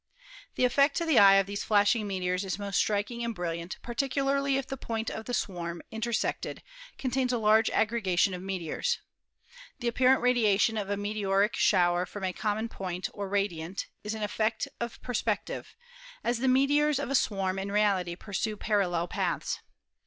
The effect to the eye of these flashing meteors is most striking and brilliant, particularly if the point of the swarm intersected contains a large aggregation of meteors. The apparent radiation of a meteoric shower from a common point or radiant is an effect of perspec tive, as the meteors of a swarm in reality pursue parallel paths.